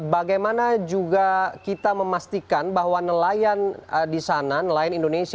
bagaimana juga kita memastikan bahwa nelayan di sana nelayan indonesia